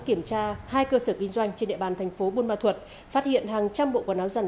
kiểm tra hai cơ sở kinh doanh trên địa bàn thành phố buôn ma thuật phát hiện hàng trăm bộ quần áo giàn